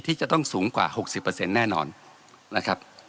ที่จะต้องสูงกว่าหกสิบเปอร์เซ็นต์แน่นอนนะครับ